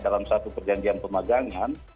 dalam satu perjanjian pemagangan